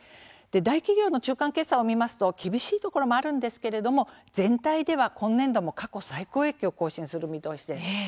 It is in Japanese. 大企業の中間決算を見ますと厳しいところもあるんですけれど全体では、今年度も過去最高益を更新する見通しです。